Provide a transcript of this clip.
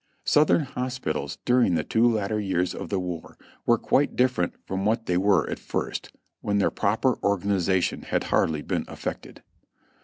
Southern hospitals during the two latter years of the war were quite different from what they were at first, when their proper organization had hardly been effected.